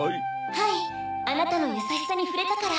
はいあなたのやさしさにふれたから。